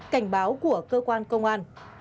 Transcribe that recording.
hai cảnh báo của cơ quan công an